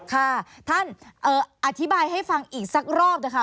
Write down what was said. ค่ะท่านอธิบายให้ฟังอีกสักรอบนะคะ